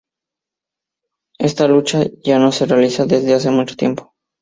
Esta "lucha" ya no se realiza desde hace mucho tiempo.